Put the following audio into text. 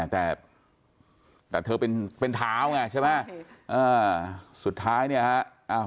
แต่เธอเป็นท้าวไงใช่ไหมสุดท้ายเนี่ยครับ